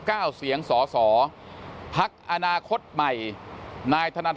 กรกตกลางได้รับรายงานผลนับคะแนนจากทั่วประเทศมาแล้วร้อยละ๔๕๕๔พักการเมืองที่มีแคนดิเดตนายกคนสำคัญ